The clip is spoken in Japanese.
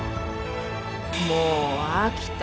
もう飽きた。